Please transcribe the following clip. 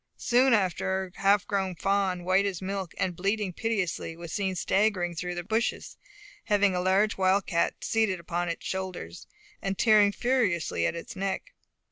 Soon after a half grown fawn, white as milk, and bleating piteously, was seen staggering through the bushes, having a large wildcat seated upon its shoulders, and tearing furiously at its neck.